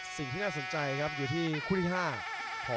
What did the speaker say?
สวัสดีครับทุกคน